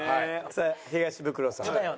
さあ東ブクロさん。